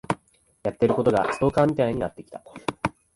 やってることがストーカーみたいになってきた。